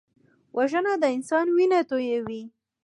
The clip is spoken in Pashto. وژنه د انسان وینه تویوي